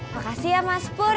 makasih ya mas pur